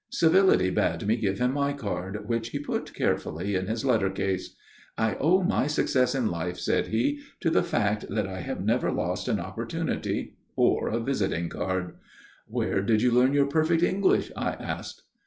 Civility bade me give him my card, which he put carefully in his letter case. "I owe my success in life," said he, "to the fact that I have never lost an opportunity or a visiting card." "Where did you learn your perfect English?" I asked.